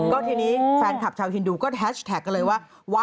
ก็ทีนี้แฟนคลับชาวฮินดูก็แฮชแท็กกันเลยว่า